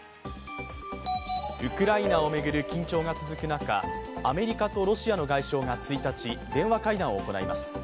ウクライナを巡る緊張が続く中アメリカとロシアの外相が１日、電話会談を行います。